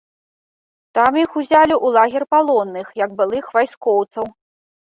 Там іх і ўзялі ў лагер палонных, як былых вайскоўцаў.